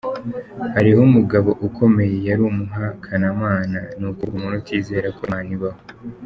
Hariho umugabo ukomeye yari umuhakanamana ni ukuvuga umuntu utizera ko Imana ibaho.